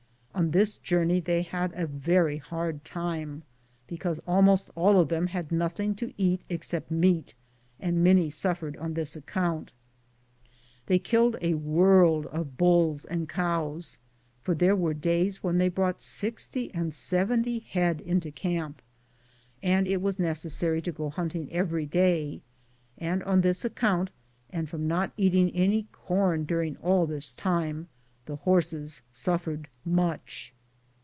On this journey they had a very hard time, because almost all of them bad nothing to eat except meat, and many suffered on this account. They killed a world of bulls and cows, for there were days when they brought 60 and 70 head into camp, and it was necessary to go hunt ing every day, and on this account, and from not eating any corn during all this time, the horses suffered much.